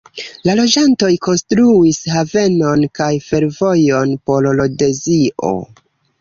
La loĝantoj konstruis havenon kaj fervojon por Rodezio.